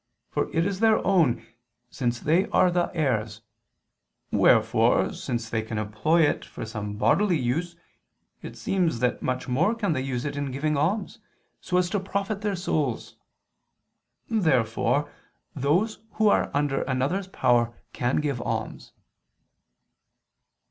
For it is their own, since they are the heirs; wherefore, since they can employ it for some bodily use, it seems that much more can they use it in giving alms so as to profit their souls. Therefore those who are under another's power can give alms.